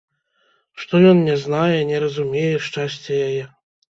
Што ён не знае, не разумее шчасця яе?